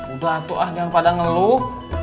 udah tuh ah jangan pada ngeluh